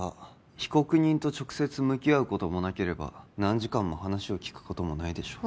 被告人と直接向き合うこともなければ何時間も話を聞くこともないでしょう？